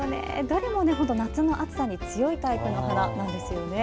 どれも夏の暑さに強いタイプの花なんですよね。